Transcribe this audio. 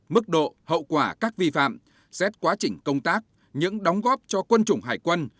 mức độ hậu quả các vi phạm xét quá trình công tác những đóng góp cho quân chủng hải quân